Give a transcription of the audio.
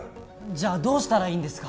じゃあどうしたらいいんですか？